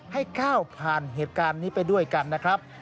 ให้ก้าวผ่านเหตุการณ์นี้ไปด้วยกันนะครับ